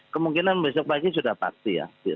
kemungkinan besok pagi sudah pasti ya